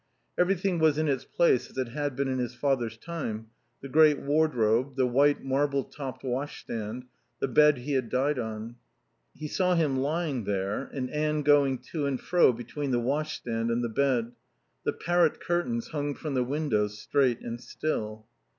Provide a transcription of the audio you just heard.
Everything was in its place as it had been in his father's time, the great wardrobe, the white marble topped washstand, the bed he had died on. He saw him lying there and Anne going to and fro between the washstand and the bed. The parrot curtains hung from the windows, straight and still.